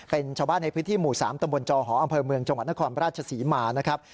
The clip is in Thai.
เป็นชาวบ้านในพื้นที่หมู่๓ตำบลจอหออำเภอเมืองจังหวัดนครราชศรีมานะครับ